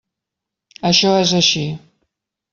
Això és així.